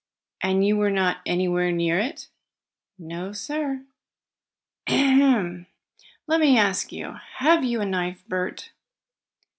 "And you were not anywhere near it?" "No, sir." "Ahem! Let me ask you, have you a knife, Bert?"